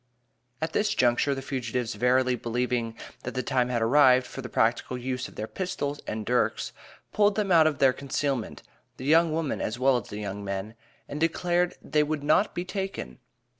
At this juncture, the fugitives verily believing that the time had arrived for the practical use of their pistols and dirks, pulled them out of their concealment the young women as well as the young men and declared they would not be "taken!"